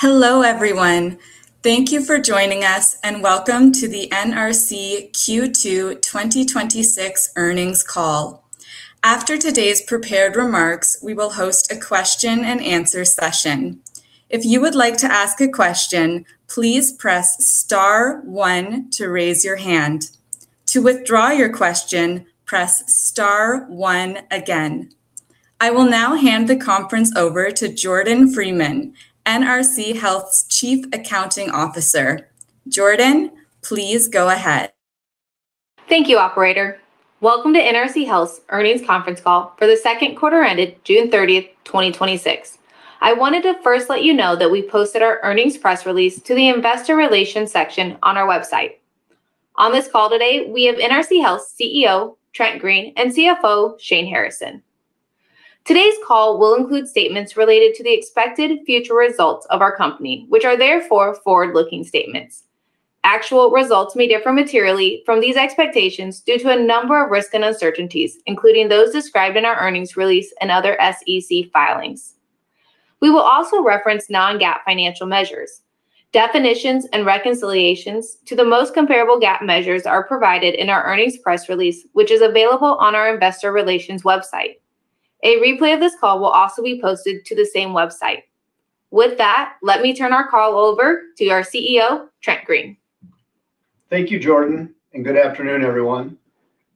Hello, everyone. Thank you for joining us, and welcome to the NRC Q2 2026 earnings call. After today's prepared remarks, we will host a question and answer session. If you would like to ask a question, please press star one to raise your hand. To withdraw your question, press star one again. I will now hand the conference over to Jordan Freeman, NRC Health's Chief Accounting Officer. Jordan, please go ahead. Thank you, operator. Welcome to NRC Health's earnings conference call for the second quarter ended June 30th, 2026. I wanted to first let you know that we posted our earnings press release to the investor relations section on our website. On this call today, we have NRC Health CEO, Trent Green, and CFO, Shane Harrison. Today's call will include statements related to the expected future results of our company, which are therefore forward-looking statements. Actual results may differ materially from these expectations due to a number of risks and uncertainties, including those described in our earnings release and other SEC filings. We will also reference non-GAAP financial measures. Definitions and reconciliations to the most comparable GAAP measures are provided in our earnings press release, which is available on our investor relations website. A replay of this call will also be posted to the same website. With that, let me turn our call over to our CEO, Trent Green. Thank you, Jordan. Good afternoon, everyone.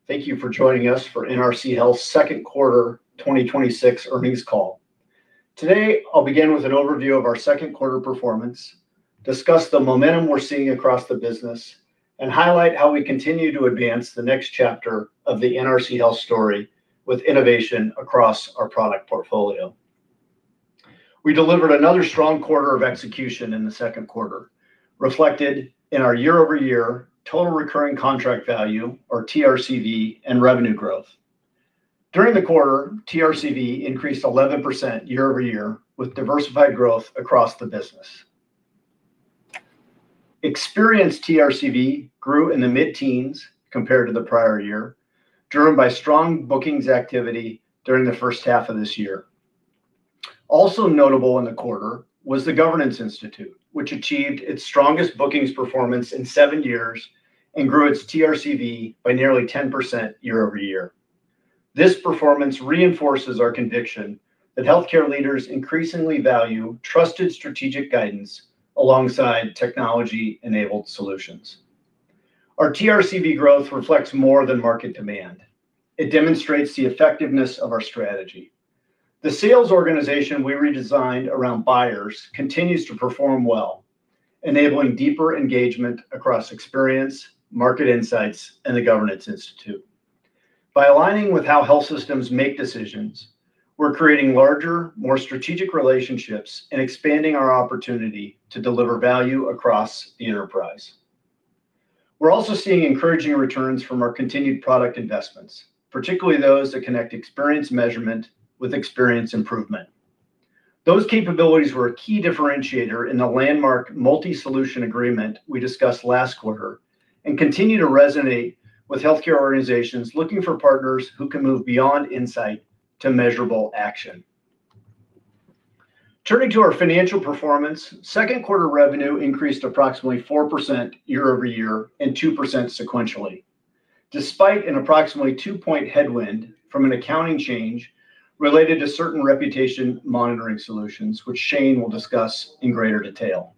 Thank you for joining us for NRC Health's second quarter 2026 earnings call. Today, I'll begin with an overview of our second quarter performance, discuss the momentum we're seeing across the business, and highlight how we continue to advance the next chapter of the NRC Health story with innovation across our product portfolio. We delivered another strong quarter of execution in the second quarter, reflected in our year-over-year total recurring contract value, or TRCV, and revenue growth. During the quarter, TRCV increased 11% year-over-year, with diversified growth across the business. Experience TRCV grew in the mid-teens compared to the prior year, driven by strong bookings activity during the first half of this year. Also notable in the quarter was The Governance Institute, which achieved its strongest bookings performance in seven years and grew its TRCV by nearly 10% year-over-year. This performance reinforces our conviction that healthcare leaders increasingly value trusted strategic guidance alongside technology-enabled solutions. Our TRCV growth reflects more than market demand. It demonstrates the effectiveness of our strategy. The sales organization we redesigned around buyers continues to perform well, enabling deeper engagement across Experience, Market Insights, and The Governance Institute. By aligning with how health systems make decisions, we're creating larger, more strategic relationships and expanding our opportunity to deliver value across the enterprise. We're also seeing encouraging returns from our continued product investments, particularly those that connect experience measurement with experience improvement. Those capabilities were a key differentiator in the landmark multi-solution agreement we discussed last quarter and continue to resonate with healthcare organizations looking for partners who can move beyond insight to measurable action. Turning to our financial performance, second quarter revenue increased approximately 4% year-over-year and 2% sequentially. Despite an approximately two-point headwind from an accounting change related to certain reputation monitoring solutions, which Shane will discuss in greater detail.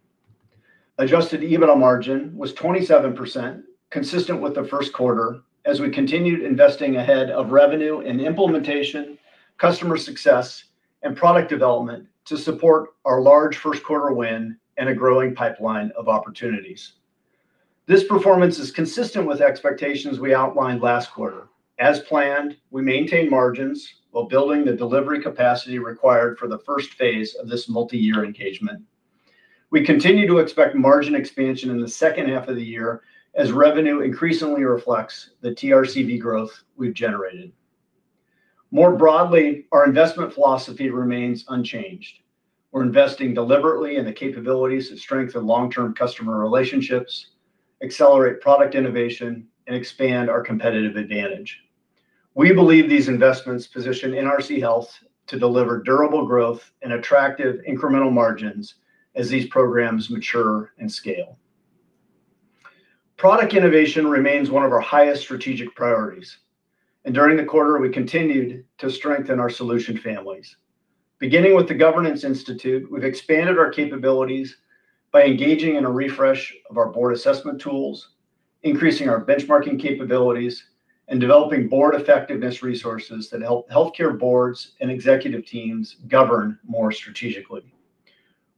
Adjusted EBITDA margin was 27%, consistent with the first quarter, as we continued investing ahead of revenue and implementation, customer success, and product development to support our large first quarter win and a growing pipeline of opportunities. This performance is consistent with expectations we outlined last quarter. As planned, we maintain margins while building the delivery capacity required for the first phase of this multi-year engagement. We continue to expect margin expansion in the second half of the year as revenue increasingly reflects the TRCV growth we've generated. More broadly, our investment philosophy remains unchanged. We're investing deliberately in the capabilities that strengthen long-term customer relationships, accelerate product innovation, and expand our competitive advantage. We believe these investments position NRC Health to deliver durable growth and attractive incremental margins as these programs mature and scale. Product innovation remains one of our highest strategic priorities. During the quarter, we continued to strengthen our solution families. Beginning with The Governance Institute, we've expanded our capabilities by engaging in a refresh of our board assessment tools, increasing our benchmarking capabilities, and developing board effectiveness resources that help healthcare boards and executive teams govern more strategically.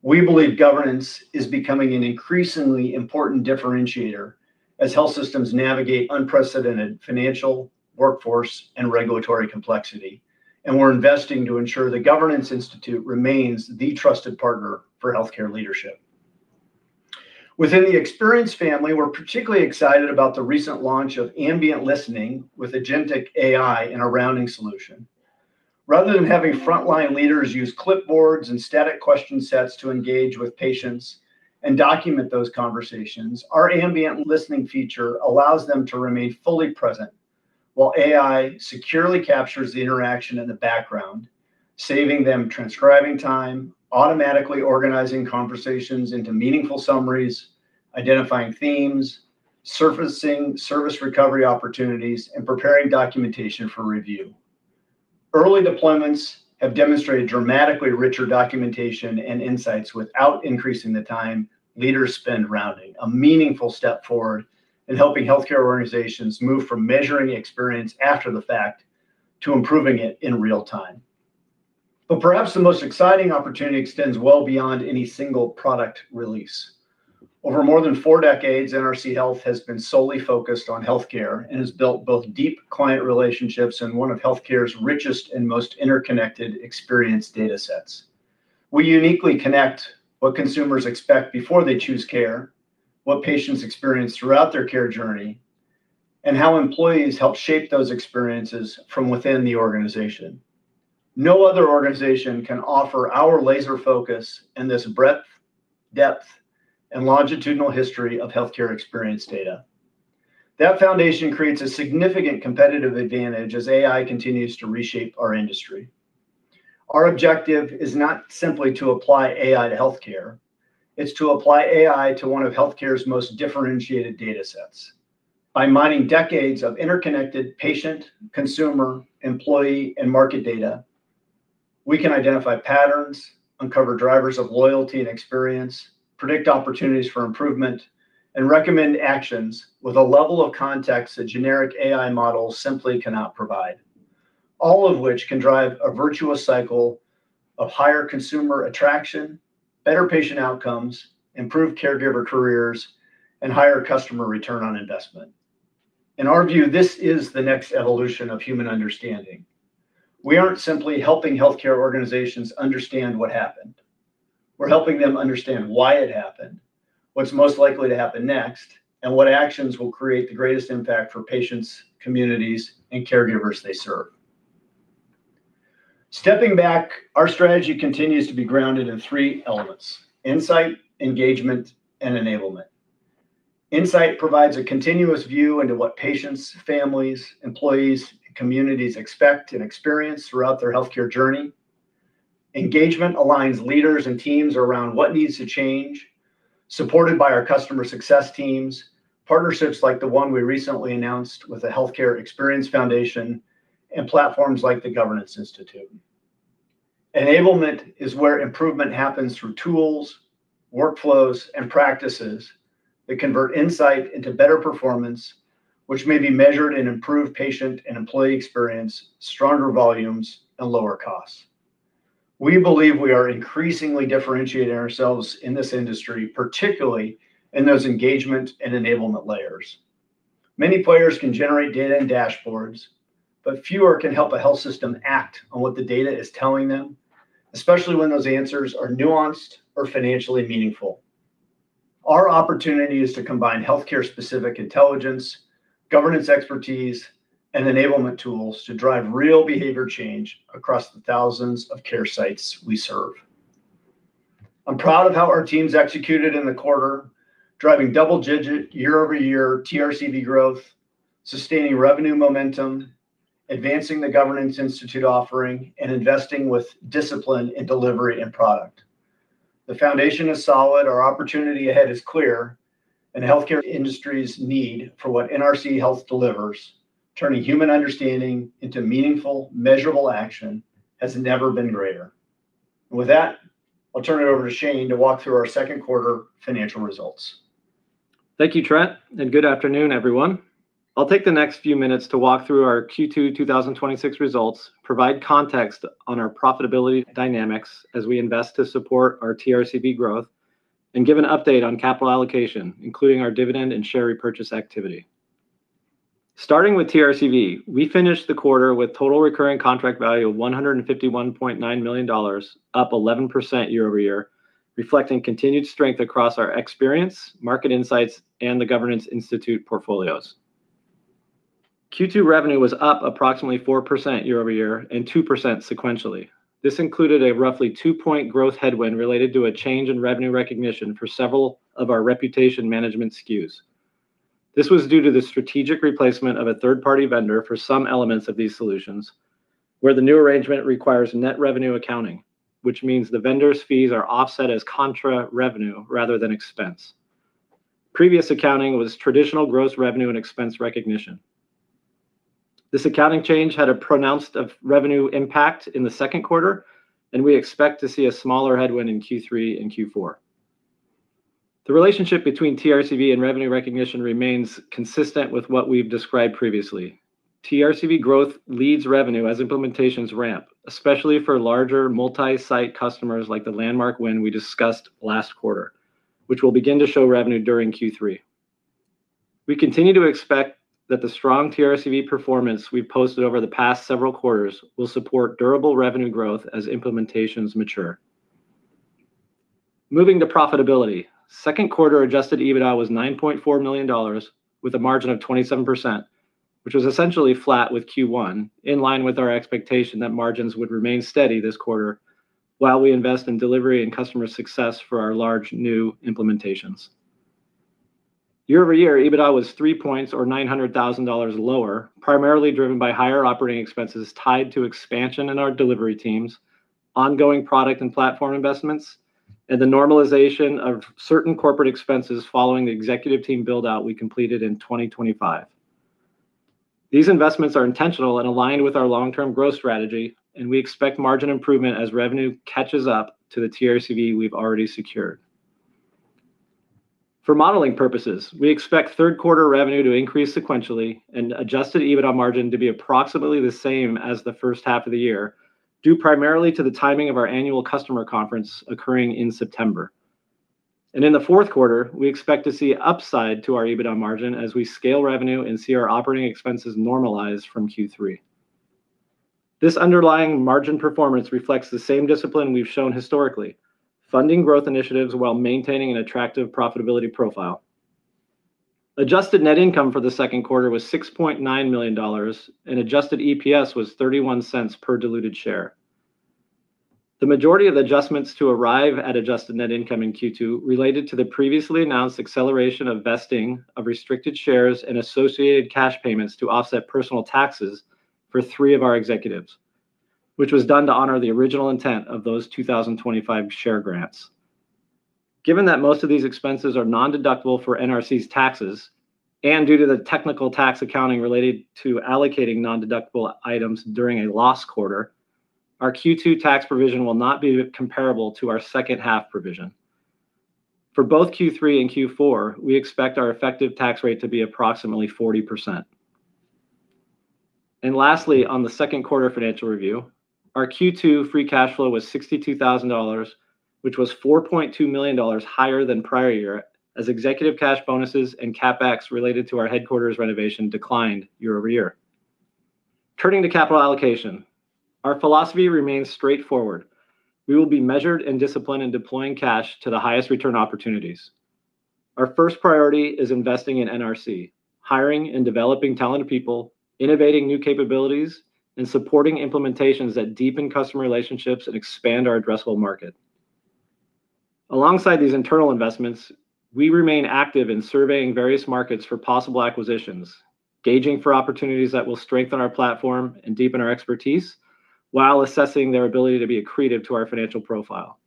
We believe governance is becoming an increasingly important differentiator as health systems navigate unprecedented financial, workforce, and regulatory complexity. We're investing to ensure The Governance Institute remains the trusted partner for healthcare leadership. Within the Experience family, we're particularly excited about the recent launch of ambient listening with agentic AI in our Rounding solution. Rather than having frontline leaders use clipboards and static question sets to engage with patients and document those conversations, our ambient listening feature allows them to remain fully present while AI securely captures the interaction in the background, saving them transcribing time, automatically organizing conversations into meaningful summaries, identifying themes, surfacing service recovery opportunities, and preparing documentation for review. Early deployments have demonstrated dramatically richer documentation and insights without increasing the time leaders spend rounding, a meaningful step forward in helping healthcare organizations move from measuring experience after the fact to improving it in real time. Perhaps the most exciting opportunity extends well beyond any single product release. Over more than four decades, NRC Health has been solely focused on healthcare and has built both deep client relationships and one of healthcare's richest and most interconnected experience data sets. We uniquely connect what consumers expect before they choose care, what patients experience throughout their care journey, and how employees help shape those experiences from within the organization. No other organization can offer our laser focus and this breadth, depth, and longitudinal history of healthcare experience data. That foundation creates a significant competitive advantage as AI continues to reshape our industry. Our objective is not simply to apply AI to healthcare, it's to apply AI to one of healthcare's most differentiated data sets. By mining decades of interconnected patient, consumer, employee, and market data, we can identify patterns, uncover drivers of loyalty and experience, predict opportunities for improvement, and recommend actions with a level of context a generic AI model simply cannot provide. All of which can drive a virtuous cycle of higher consumer attraction, better patient outcomes, improved caregiver careers, and higher customer return on investment. In our view, this is the next evolution of human understanding. We aren't simply helping healthcare organizations understand what happened. We're helping them understand why it happened, what's most likely to happen next, and what actions will create the greatest impact for patients, communities, and caregivers they serve. Stepping back, our strategy continues to be grounded in three elements: insight, engagement, and enablement. Insight provides a continuous view into what patients, families, employees, and communities expect and experience throughout their healthcare journey. Engagement aligns leaders and teams around what needs to change, supported by our customer success teams, partnerships like the one we recently announced with the Healthcare Experience Foundation, and platforms like The Governance Institute. Enablement is where improvement happens through tools, workflows, and practices that convert insight into better performance, which may be measured in improved patient and employee experience, stronger volumes, and lower costs. We believe we are increasingly differentiating ourselves in this industry, particularly in those engagement and enablement layers. Many players can generate data and dashboards, but fewer can help a health system act on what the data is telling them, especially when those answers are nuanced or financially meaningful. Our opportunity is to combine healthcare-specific intelligence, governance expertise, and enablement tools to drive real behavior change across the thousands of care sites we serve. I'm proud of how our teams executed in the quarter, driving double-digit year-over-year TRCV growth, sustaining revenue momentum, advancing The Governance Institute offering, and investing with discipline in delivery and product. The foundation is solid, our opportunity ahead is clear, and the healthcare industry's need for what NRC Health delivers, turning human understanding into meaningful, measurable action, has never been greater. With that, I'll turn it over to Shane to walk through our second quarter financial results. Thank you, Trent, and good afternoon, everyone. I'll take the next few minutes to walk through our Q2 2026 results, provide context on our profitability dynamics as we invest to support our TRCV growth, and give an update on capital allocation, including our dividend and share repurchase activity. Starting with TRCV, we finished the quarter with total recurring contract value of $151.9 million, up 11% year-over-year, reflecting continued strength across our Experience, Market Insights, and The Governance Institute portfolios. Q2 revenue was up approximately 4% year-over-year and 2% sequentially. This included a roughly two-point growth headwind related to a change in revenue recognition for several of our reputation management SKUs. This was due to the strategic replacement of a third-party vendor for some elements of these solutions, where the new arrangement requires net revenue accounting, which means the vendor's fees are offset as contra revenue rather than expense. Previous accounting was traditional gross revenue and expense recognition. This accounting change had a pronounced revenue impact in the second quarter, we expect to see a smaller headwind in Q3 and Q4. The relationship between TRCV and revenue recognition remains consistent with what we've described previously. TRCV growth leads revenue as implementations ramp, especially for larger multi-site customers like the landmark win we discussed last quarter, which will begin to show revenue during Q3. We continue to expect that the strong TRCV performance we've posted over the past several quarters will support durable revenue growth as implementations mature. Moving to profitability. Second quarter Adjusted EBITDA was $9.4 million, with a margin of 27%, which was essentially flat with Q1, in line with our expectation that margins would remain steady this quarter while we invest in delivery and customer success for our large new implementations. Year-over-year, EBITDA was three points, or $900,000 lower, primarily driven by higher operating expenses tied to expansion in our delivery teams, ongoing product and platform investments, and the normalization of certain corporate expenses following the executive team build-out we completed in 2025. These investments are intentional and aligned with our long-term growth strategy, we expect margin improvement as revenue catches up to the TRCV we've already secured. For modeling purposes, we expect third quarter revenue to increase sequentially and adjusted EBITDA margin to be approximately the same as the first half of the year, due primarily to the timing of our annual customer conference occurring in September. In the fourth quarter, we expect to see upside to our EBITDA margin as we scale revenue and see our operating expenses normalize from Q3. This underlying margin performance reflects the same discipline we've shown historically, funding growth initiatives while maintaining an attractive profitability profile. Adjusted net income for the second quarter was $6.9 million, and adjusted EPS was $0.31 per diluted share. The majority of the adjustments to arrive at adjusted net income in Q2 related to the previously announced acceleration of vesting of restricted shares and associated cash payments to offset personal taxes for three of our executives, which was done to honor the original intent of those 2025 share grants. Given that most of these expenses are non-deductible for NRC's taxes, due to the technical tax accounting related to allocating non-deductible items during a loss quarter, our Q2 tax provision will not be comparable to our second half provision. For both Q3 and Q4, we expect our effective tax rate to be approximately 40%. Lastly, on the second quarter financial review, our Q2 free cash flow was $62,000, which was $4.2 million higher than prior year, as executive cash bonuses and CapEx related to our headquarters renovation declined year-over-year. Turning to capital allocation, our philosophy remains straightforward. We will be measured and disciplined in deploying cash to the highest return opportunities. Our first priority is investing in NRC, hiring and developing talented people, innovating new capabilities, and supporting implementations that deepen customer relationships and expand our addressable market. Alongside these internal investments, we remain active in surveying various markets for possible acquisitions, gauging for opportunities that will strengthen our platform and deepen our expertise, while assessing their ability to be accretive to our financial profile.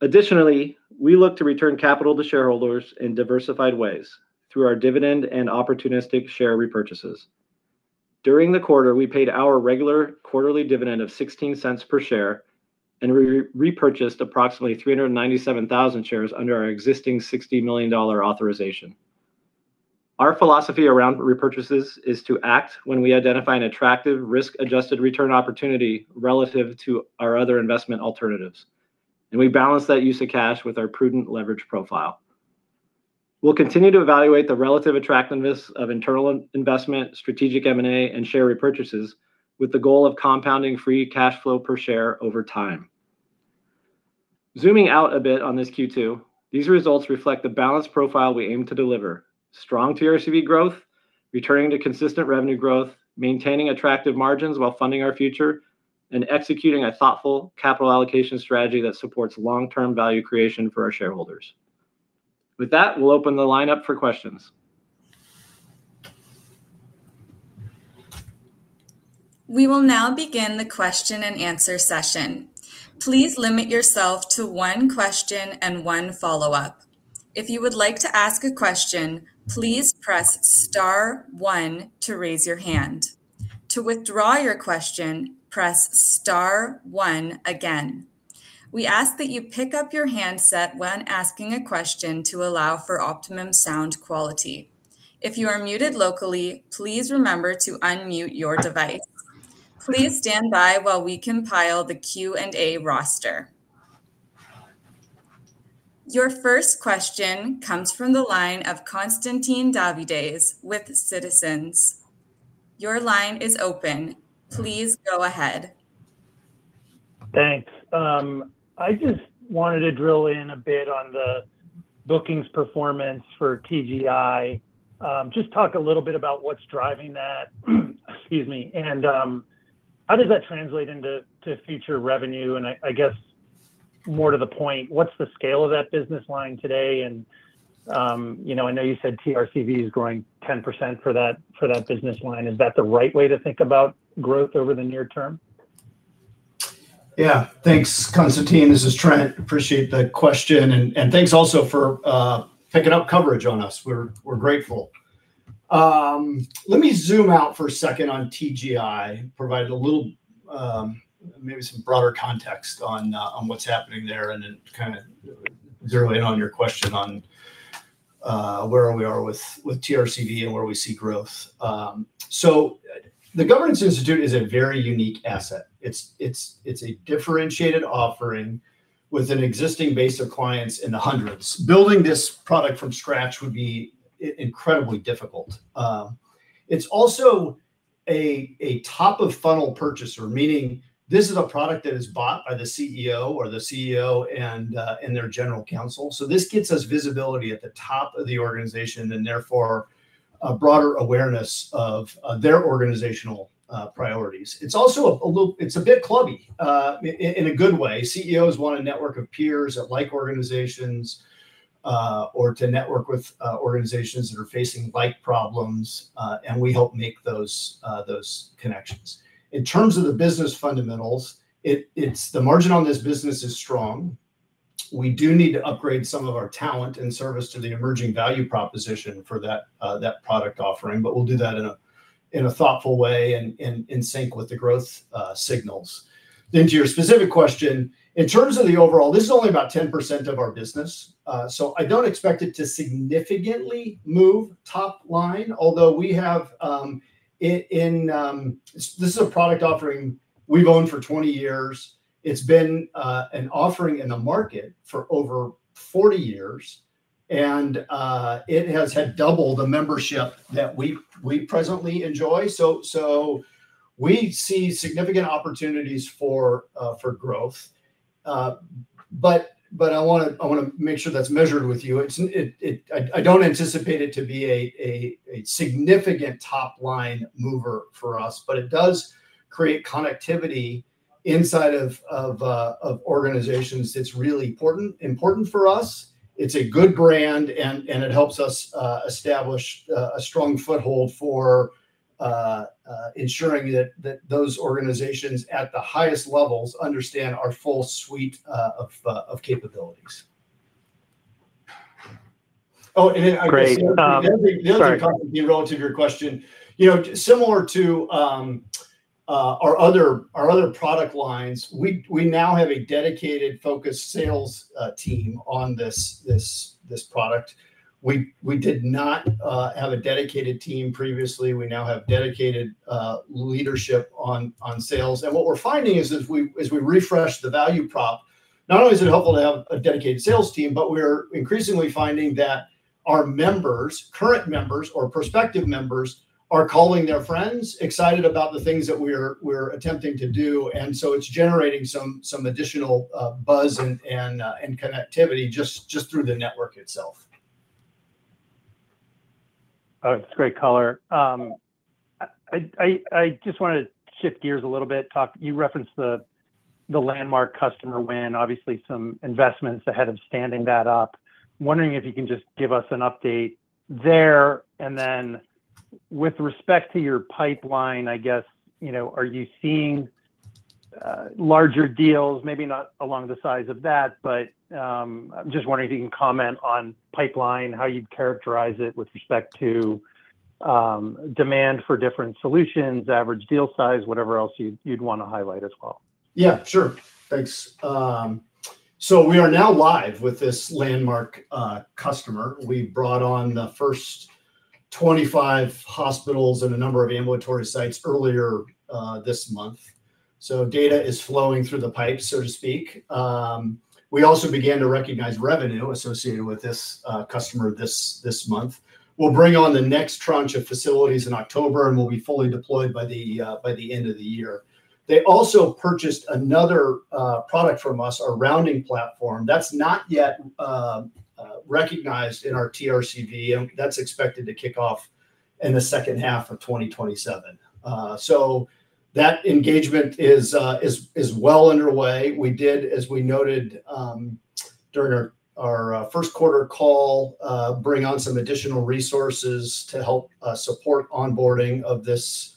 Additionally, we look to return capital to shareholders in diversified ways through our dividend and opportunistic share repurchases. During the quarter, we paid our regular quarterly dividend of $0.16 per share, and we repurchased approximately 397,000 shares under our existing $60 million authorization. Our philosophy around repurchases is to act when we identify an attractive risk-adjusted return opportunity relative to our other investment alternatives, and we balance that use of cash with our prudent leverage profile. We'll continue to evaluate the relative attractiveness of internal investment, strategic M&A, and share repurchases with the goal of compounding free cash flow per share over time. Zooming out a bit on this Q2, these results reflect the balanced profile we aim to deliver. Strong TRCV growth, returning to consistent revenue growth, maintaining attractive margins while funding our future, and executing a thoughtful capital allocation strategy that supports long-term value creation for our shareholders. We'll open the line up for questions. We will now begin the question and answer session. Please limit yourself to one question and one follow-up. If you would like to ask a question, please press star one to raise your hand. To withdraw your question, press star one again. We ask that you pick up your handset when asking a question to allow for optimum sound quality. If you are muted locally, please remember to unmute your device. Please stand by while we compile the Q and A roster. Your first question comes from the line of Constantine Davides with Citizens. Your line is open. Please go ahead. Thanks. I just wanted to drill in a bit on the bookings performance for TGI. Just talk a little bit about what's driving that. Excuse me. How does that translate into future revenue? I guess more to the point, what's the scale of that business line today? I know you said TRCV is growing 10% for that business line. Is that the right way to think about growth over the near term? Yeah. Thanks, Constantine. This is Trent. Appreciate the question, and thanks also for picking up coverage on us. We're grateful. Let me zoom out for a second on TGI, provide maybe some broader context on what's happening there, and then zero in on your question on where we are with TRCV and where we see growth. The Governance Institute is a very unique asset. It's a differentiated offering with an existing base of clients in the hundreds. Building this product from scratch would be incredibly difficult. It's also a top-of-funnel purchaser, meaning this is a product that is bought by the CEO, or the CEO and their general counsel. This gets us visibility at the top of the organization, and therefore a broader awareness of their organizational priorities. It's a bit clubby, in a good way. CEOs want a network of peers at like organizations To network with organizations that are facing like problems, and we help make those connections. In terms of the business fundamentals, the margin on this business is strong. We do need to upgrade some of our talent and service to the emerging value proposition for that product offering, but we'll do that in a thoughtful way and in sync with the growth signals. To your specific question, in terms of the overall, this is only about 10% of our business, so I don't expect it to significantly move top line, although this is a product offering we've owned for 20 years. It's been an offering in the market for over 40 years, and it has had double the membership that we presently enjoy. We see significant opportunities for growth. I want to make sure that's measured with you. I don't anticipate it to be a significant top-line mover for us, but it does create connectivity inside of organizations. It's really important for us. It's a good brand, and it helps us establish a strong foothold for ensuring that those organizations at the highest levels understand our full suite of capabilities. Great. Sorry The other thing, relative to your question, similar to our other product lines, we now have a dedicated focused sales team on this product. We did not have a dedicated team previously. We now have dedicated leadership on sales. What we're finding is as we refresh the value prop, not only is it helpful to have a dedicated sales team, but we're increasingly finding that our current members or prospective members are calling their friends, excited about the things that we are attempting to do. It's generating some additional buzz and connectivity just through the network itself. That's great color. I just want to shift gears a little bit. You referenced the Landmark customer win, obviously some investments ahead of standing that up. Wondering if you can just give us an update there, and then with respect to your pipeline, I guess, are you seeing larger deals, maybe not along the size of that. I'm just wondering if you can comment on pipeline, how you'd characterize it with respect to demand for different solutions, average deal size, whatever else you'd want to highlight as well. Sure. Thanks. We are now live with this Landmark customer. We brought on the first 25 hospitals and a number of ambulatory sites earlier this month. Data is flowing through the pipes, so to speak. We also began to recognize revenue associated with this customer this month. We'll bring on the next tranche of facilities in October, and we'll be fully deployed by the end of the year. They also purchased another product from us, our Rounding platform, that's not yet recognized in our TRCV, and that's expected to kick off in the second half of 2027. That engagement is well underway. We did, as we noted during our first quarter call, bring on some additional resources to help support onboarding of this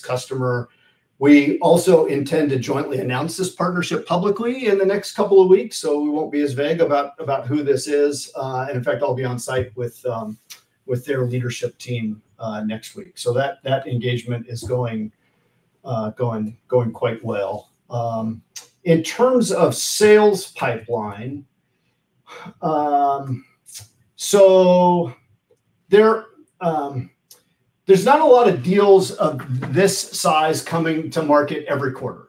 customer. We also intend to jointly announce this partnership publicly in the next couple of weeks, so we won't be as vague about who this is. In fact, I'll be on site with their leadership team next week. That engagement is going quite well. In terms of sales pipeline, there's not a lot of deals of this size coming to market every quarter.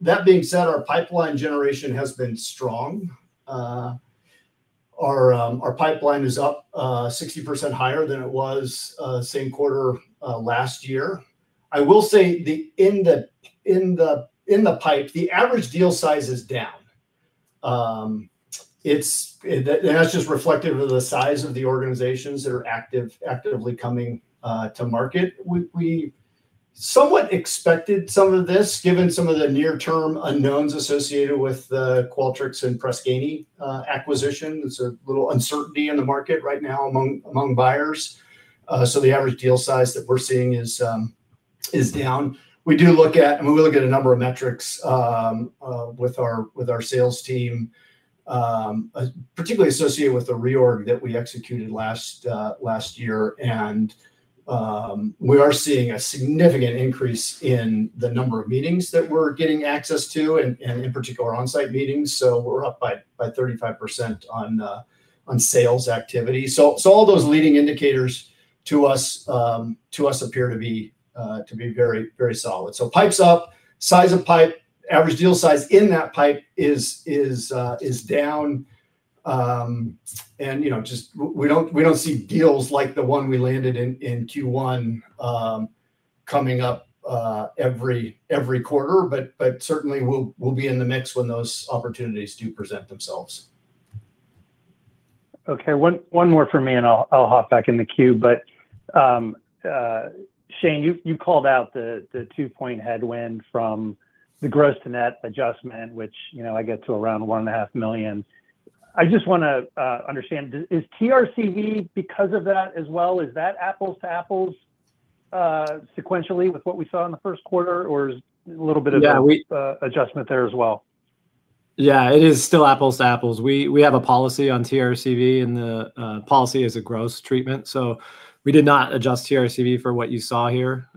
That being said, our pipeline generation has been strong. Our pipeline is up 60% higher than it was same quarter last year. I will say, in the pipe, the average deal size is down. That's just reflective of the size of the organizations that are actively coming to market. We somewhat expected some of this, given some of the near-term unknowns associated with the Qualtrics and Press Ganey acquisition. There's a little uncertainty in the market right now among buyers. The average deal size that we're seeing is down. We do look at a number of metrics with our sales team, particularly associated with the reorg that we executed last year, and we are seeing a significant increase in the number of meetings that we're getting access to, and in particular on-site meetings. We're up by 35% on sales activity. All those leading indicators to us appear to be very solid. Pipe's up. Size of pipe, average deal size in that pipe is down. We don't see deals like the one we landed in Q1 coming up every quarter, but certainly we'll be in the mix when those opportunities do present themselves. Okay. One more from me and I'll hop back in the queue. Shane, you called out the two-point headwind from the gross to net adjustment, which I get to around $1.5 million. I just want to understand, is TRCV because of that as well? Is that apples to apples sequentially with what we saw in the first quarter, or is a little bit of- Yeah adjustment there as well? Yeah, it is still apples to apples. We have a policy on TRCV and the policy is a gross treatment. We did not adjust TRCV for what you saw here.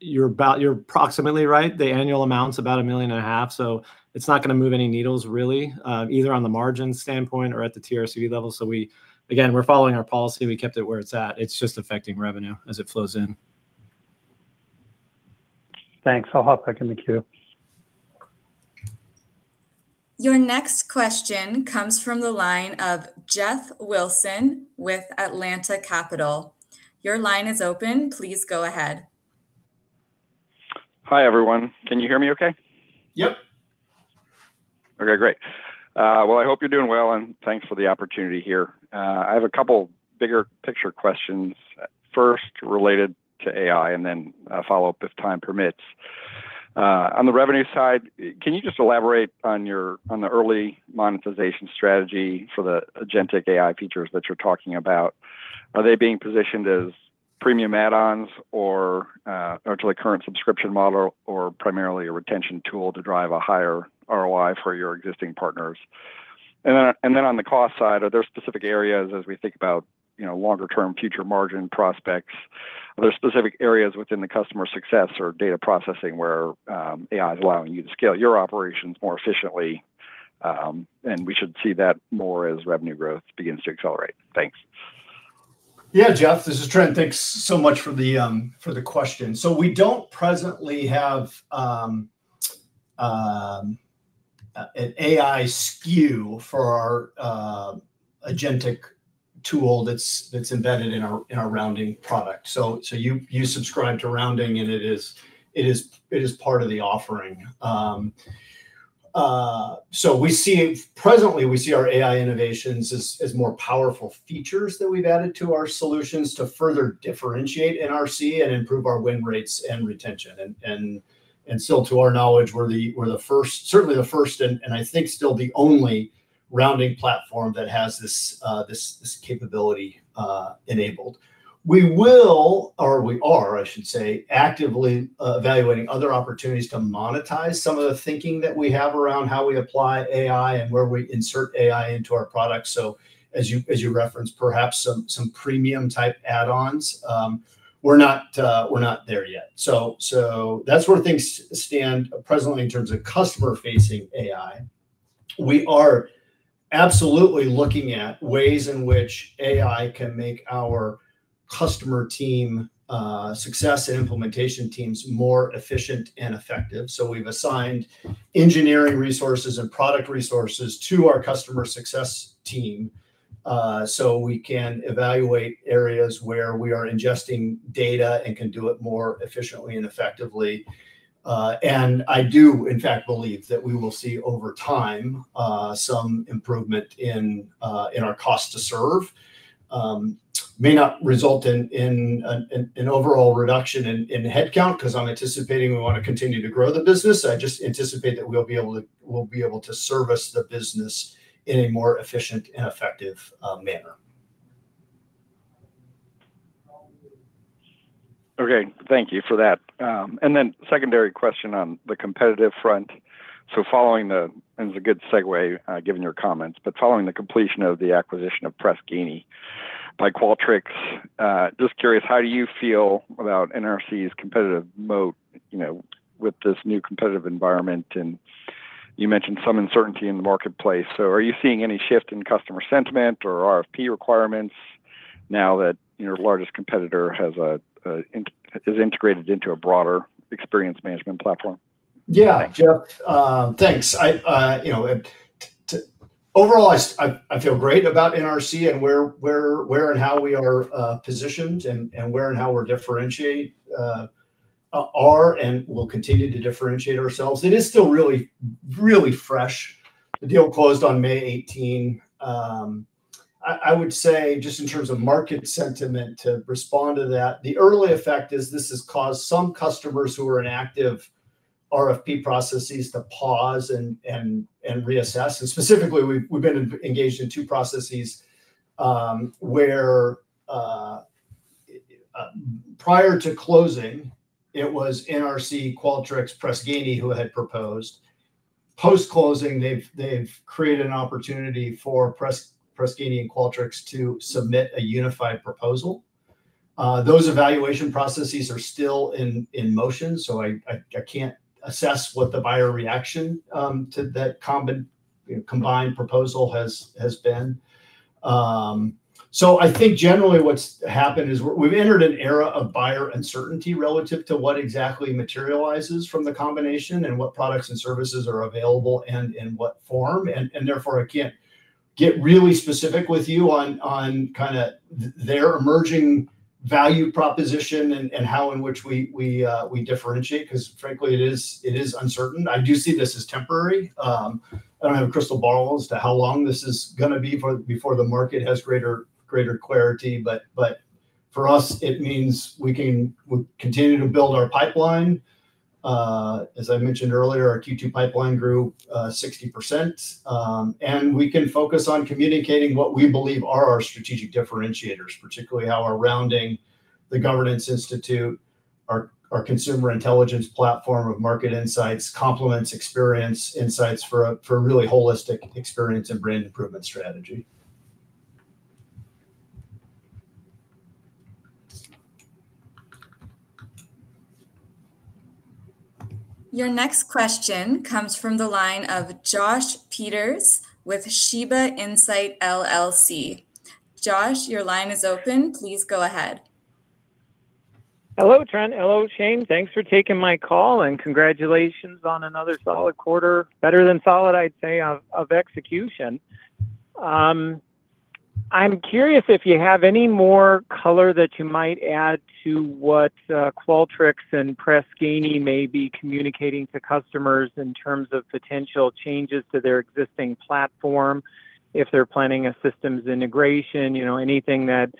You're approximately right. The annual amount's about $1.5 million, so it's not going to move any needles really, either on the margin standpoint or at the TRCV level. Again, we're following our policy. We kept it where it's at. It's just affecting revenue as it flows in. Thanks. I'll hop back in the queue. Your next question comes from the line of Jeff Wilson with Atlanta Capital. Your line is open. Please go ahead. Hi, everyone. Can you hear me okay? Yep. Okay, great. Well, I hope you're doing well, and thanks for the opportunity here. I have a couple bigger picture questions first related to AI, and then a follow-up if time permits. On the revenue side, can you just elaborate on the early monetization strategy for the agentic AI features that you're talking about? Are they being positioned as premium add-ons or to the current subscription model or primarily a retention tool to drive a higher ROI for your existing partners? And then on the cost side, are there specific areas as we think about longer-term future margin prospects, are there specific areas within the customer success or data processing where AI is allowing you to scale your operations more efficiently, and we should see that more as revenue growth begins to accelerate? Thanks. Yeah, Jeff, this is Trent. Thanks so much for the question. We don't presently have an AI SKU for our agentic tool that's embedded in our Rounding product. You subscribe to Rounding, and it is part of the offering. Presently, we see our AI innovations as more powerful features that we've added to our solutions to further differentiate NRC and improve our win rates and retention. Still to our knowledge, we're certainly the first, and I think still the only Rounding platform that has this capability enabled. We are, I should say, actively evaluating other opportunities to monetize some of the thinking that we have around how we apply AI and where we insert AI into our products. As you referenced, perhaps some premium type add-ons. We're not there yet. That's where things stand presently in terms of customer-facing AI. We are absolutely looking at ways in which AI can make our customer team success and implementation teams more efficient and effective. We've assigned engineering resources and product resources to our customer success team, so we can evaluate areas where we are ingesting data and can do it more efficiently and effectively. I do, in fact, believe that we will see over time, some improvement in our cost to serve. May not result in an overall reduction in headcount because I'm anticipating we want to continue to grow the business. I just anticipate that we'll be able to service the business in a more efficient and effective manner. Okay, thank you for that. Secondary question on the competitive front. This is a good segue given your comments, following the completion of the acquisition of Press Ganey by Qualtrics, just curious, how do you feel about NRC's competitive moat with this new competitive environment? You mentioned some uncertainty in the marketplace. Are you seeing any shift in customer sentiment or RFP requirements now that your largest competitor is integrated into a broader experience management platform? Yeah, Jeff. Thanks. Overall, I feel great about NRC and where and how we are positioned and where and how we differentiate, and will continue to differentiate ourselves. It is still really fresh. The deal closed on May 18. I would say just in terms of market sentiment to respond to that, the early effect is this has caused some customers who are in active RFP processes to pause and reassess. Specifically, we've been engaged in two processes, where prior to closing, it was NRC, Qualtrics, Press Ganey who had proposed. Post-closing, they've created an opportunity for Press Ganey and Qualtrics to submit a unified proposal. Those evaluation processes are still in motion, I can't assess what the buyer reaction to that combined proposal has been. I think generally what's happened is we've entered an era of buyer uncertainty relative to what exactly materializes from the combination and what products and services are available and in what form. Therefore, I can't get really specific with you on their emerging value proposition and how in which we differentiate, because frankly, it is uncertain. I do see this as temporary. I don't have a crystal ball as to how long this is going to be before the market has greater clarity. For us, it means we can continue to build our pipeline. As I mentioned earlier, our Q2 pipeline grew 60%. We can focus on communicating what we believe are our strategic differentiators, particularly how our rounding The Governance Institute, our consumer intelligence platform of Market Insights, complements experience insights for a really holistic experience and brand improvement strategy. Your next question comes from the line of Josh Peters with Shiba Insight LLC. Josh, your line is open. Please go ahead. Hello, Trent. Hello, Shane. Thanks for taking my call, and congratulations on another solid quarter. Better than solid, I'd say, of execution. I'm curious if you have any more color that you might add to what Qualtrics and Press Ganey may be communicating to customers in terms of potential changes to their existing platform, if they're planning a systems integration. Anything that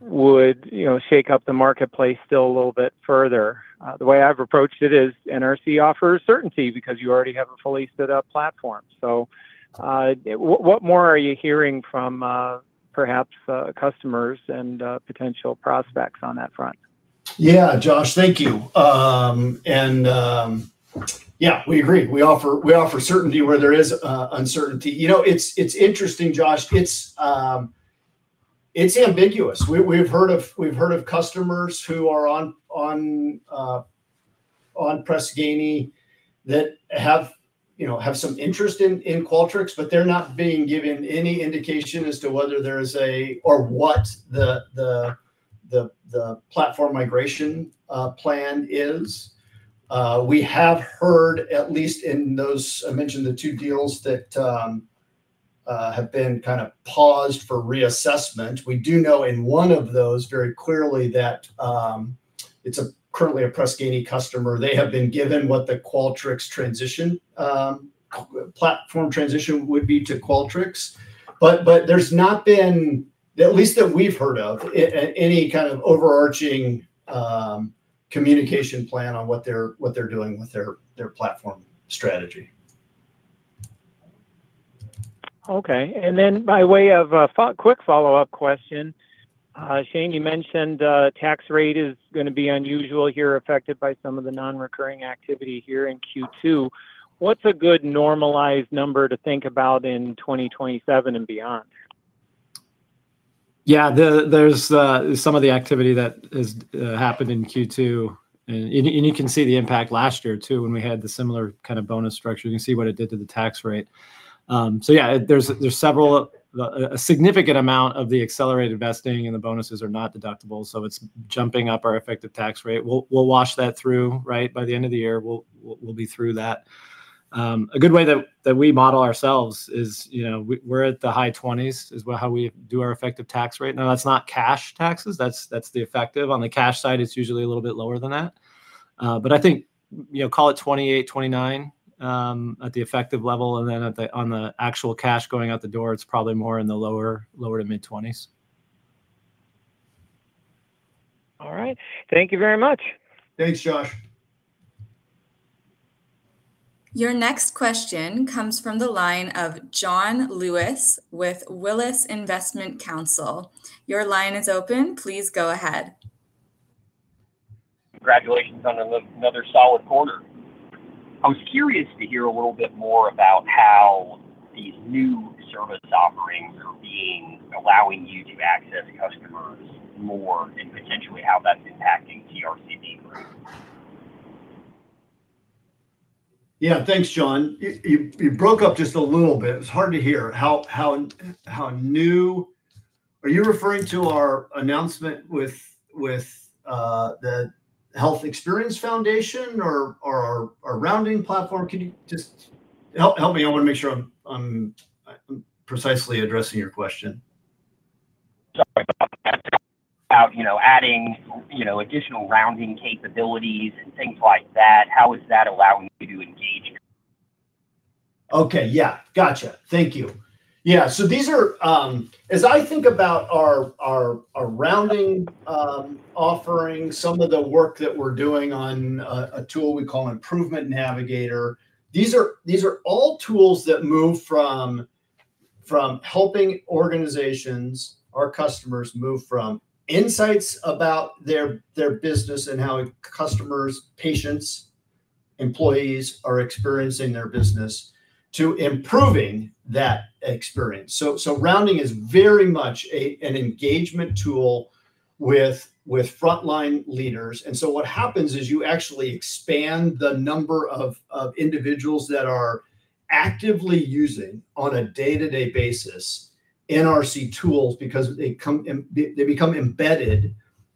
would shake up the marketplace still a little bit further. The way I've approached it is NRC offers certainty because you already have a fully stood up platform. What more are you hearing from perhaps customers and potential prospects on that front? Yeah, Josh, thank you. Yeah, we agree. We offer certainty where there is uncertainty. It's interesting, Josh, it's ambiguous. We've heard of customers who are on Press Ganey that have some interest in Qualtrics, but they're not being given any indication as to whether there is a, or what the platform migration plan is. We have heard, at least in those, I mentioned the two deals that have been kind of paused for reassessment. We do know in one of those very clearly that it's currently a Press Ganey customer. They have been given what the Qualtrics platform transition would be to Qualtrics. There's not been, at least that we've heard of, any kind of overarching communication plan on what they're doing with their platform strategy. Okay. By way of a quick follow-up question, Shane, you mentioned tax rate is going to be unusual here, affected by some of the non-recurring activity here in Q2. What's a good normalized number to think about in 2027 and beyond? Yeah. There's some of the activity that has happened in Q2. You can see the impact last year, too, when we had the similar kind of bonus structure. You can see what it did to the tax rate. Yeah, there's a significant amount of the accelerated vesting, and the bonuses are not deductible, so it's jumping up our effective tax rate. We'll wash that through. By the end of the year, we'll be through that. A good way that we model ourselves is we're at the high 20s is how we do our effective tax rate. Now, that's not cash taxes, that's the effective. On the cash side, it's usually a little bit lower than that. I think, call it 28%, 29%, at the effective level. On the actual cash going out the door, it's probably more in the lower to mid-20s. All right. Thank you very much. Thanks, Josh. Your next question comes from the line of John Lewis with Willis Investment Counsel. Your line is open. Please go ahead. Congratulations on another solid quarter. I was curious to hear a little bit more about how these new service offerings are allowing you to access customers more and potentially how that's impacting TRCV growth. Yeah. Thanks, John. You broke up just a little bit. It's hard to hear. How new, are you referring to our announcement with the Healthcare Experience Foundation or our rounding platform? Can you just help me? I want to make sure I'm precisely addressing your question. Sorry about that. About adding additional rounding capabilities and things like that, how is that allowing you to engage- Okay. Yeah. Got you. Thank you. Yeah. As I think about our Rounding offering, some of the work that we're doing on a tool we call Improvement Navigator. These are all tools that move from helping organizations, our customers move from insights about their business and how customers, patients, employees are experiencing their business, to improving that experience. Rounding is very much an engagement tool with frontline leaders. What happens is you actually expand the number of individuals that are actively using, on a day-to-day basis, NRC tools because they become embedded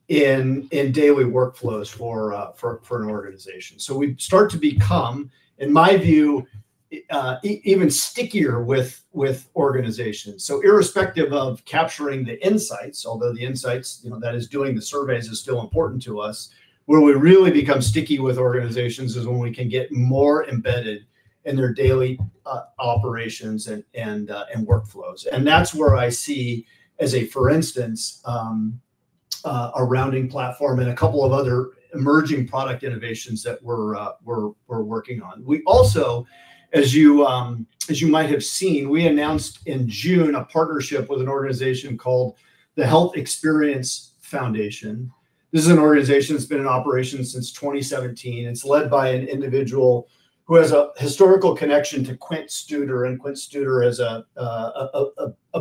in daily workflows for an organization. We start to become, in my view, even stickier with organizations. Irrespective of capturing the insights, although the insights that is doing the surveys is still important to us, where we really become sticky with organizations is when we can get more embedded in their daily operations and workflows. That's where I see, as a for instance, a rounding platform and a couple of other emerging product innovations that we're working on. We also, as you might have seen, we announced in June a partnership with an organization called the Healthcare Experience Foundation. This is an organization that's been in operation since 2017. It's led by an individual who has a historical connection to Quint Studer, and Quint Studer is a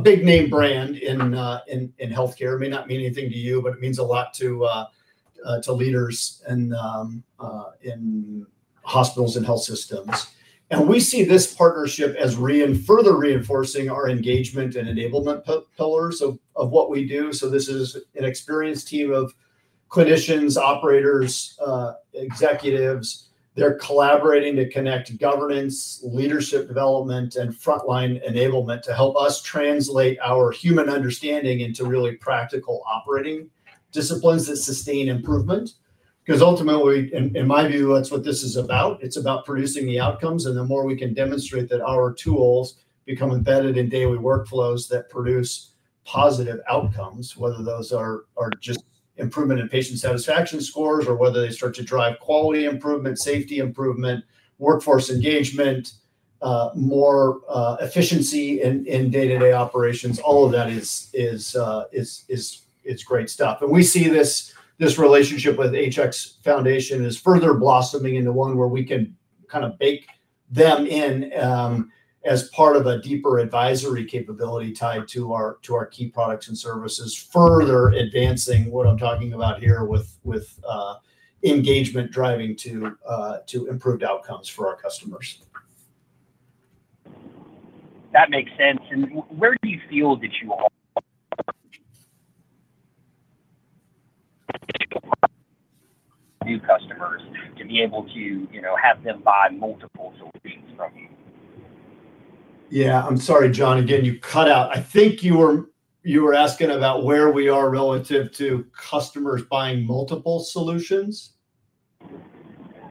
big name brand in healthcare. It may not mean anything to you, but it means a lot to leaders in hospitals and health systems. We see this partnership as further reinforcing our engagement and enablement pillars of what we do. This is an experienced team of clinicians, operators, executives. They're collaborating to connect governance, leadership development, and frontline enablement to help us translate our human understanding into really practical operating disciplines that sustain improvement. Ultimately, in my view, that's what this is about. It's about producing the outcomes, and the more we can demonstrate that our tools become embedded in daily workflows that produce positive outcomes, whether those are just improvement in patient satisfaction scores or whether they start to drive quality improvement, safety improvement, workforce engagement, more efficiency in day-to-day operations. All of that is great stuff. We see this relationship with HX Foundation as further blossoming into one where we can kind of bake them in as part of a deeper advisory capability tied to our key products and services, further advancing what I'm talking about here with engagement driving to improved outcomes for our customers. That makes sense. Where do you feel that you are? New customers to be able to have them buy multiple solutions from you? Yeah, I'm sorry, John, again, you cut out. I think you were asking about where we are relative to customers buying multiple solutions?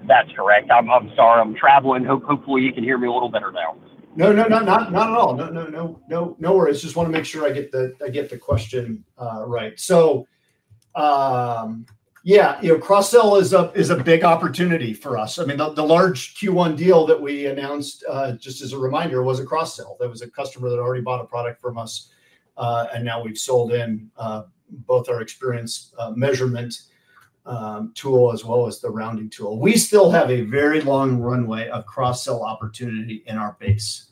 That's correct. I'm sorry, I'm traveling. Hopefully you can hear me a little better now. No, not at all. No worries. Just want to make sure I get the question right. Yeah. Cross-sell is a big opportunity for us. I mean, the large Q1 deal that we announced, just as a reminder, was a cross-sell. That was a customer that already bought a product from us, and now we've sold in both our Experience measurement tool as well as the Rounding tool. We still have a very long runway of cross-sell opportunity in our base.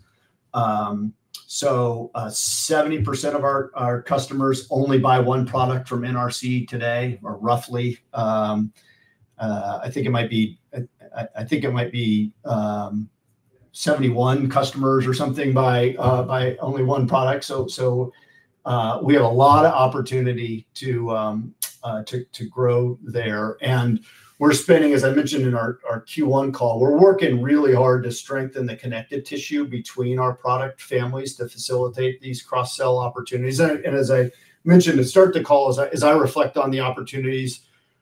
70% of our customers only buy one product from NRC today, or roughly. I think it might be 71 customers or something buy only one product. We have a lot of opportunity to grow there. We're spending, as I mentioned in our Q1 call, we're working really hard to strengthen the connective tissue between our product families to facilitate these cross-sell opportunities. As I mentioned at the start of the call, as I reflect on the opportunities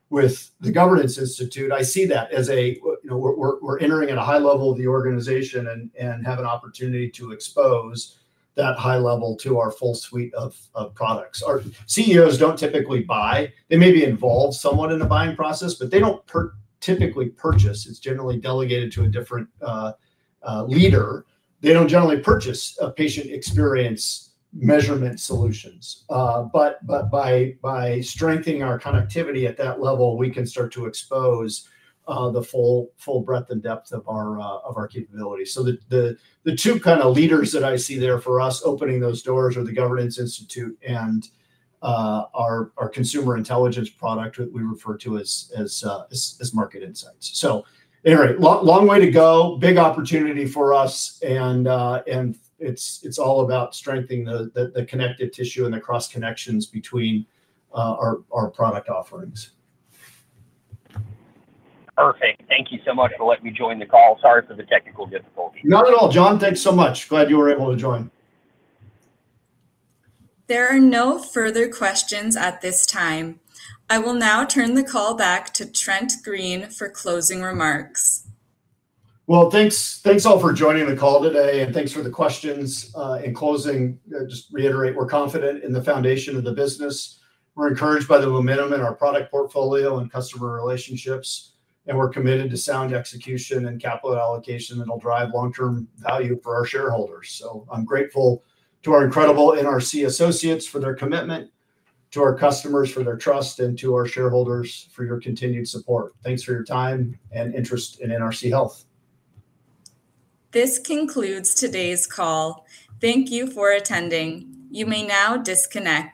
with The Governance Institute, I see that as we're entering at a high level of the organization and have an opportunity to expose that high level to our full suite of products. Our CEOs don't typically buy. They may be involved somewhat in the buying process, but they don't typically purchase. It's generally delegated to a different leader. They don't generally purchase patient experience measurement solutions. By strengthening our connectivity at that level, we can start to expose the full breadth and depth of our capabilities. The two kind of leaders that I see there for us opening those doors are The Governance Institute and our consumer intelligence product that we refer to as Market Insights. Anyway, long way to go, big opportunity for us, and it's all about strengthening the connective tissue and the cross connections between our product offerings. Perfect. Thank you so much for letting me join the call. Sorry for the technical difficulties. Not at all, John. Thanks so much. Glad you were able to join. There are no further questions at this time. I will now turn the call back to Trent Green for closing remarks. Well, thanks all for joining the call today, and thanks for the questions. In closing, just reiterate we're confident in the foundation of the business. We're encouraged by the momentum in our product portfolio and customer relationships, and we're committed to sound execution and capital allocation that'll drive long-term value for our shareholders. I'm grateful to our incredible NRC associates for their commitment, to our customers for their trust, and to our shareholders for your continued support. Thanks for your time and interest in NRC Health. This concludes today's call. Thank you for attending. You may now disconnect.